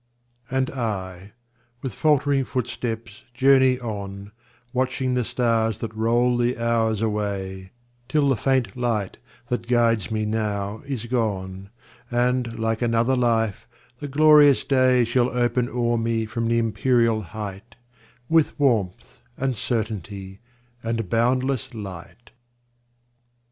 And I, with faltering footsteps, journey on, Watching the stars that roll the hours away, Till the faint light that guides me now is gone, And, like another life, the glorious day Shall open o'er me from the empyreal height, With warmth, and certainty, and boundless light.